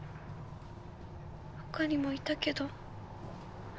☎ほかにもいたけど。